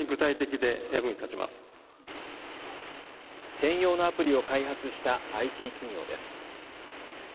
専用のアプリを開発したＩＴ企業です。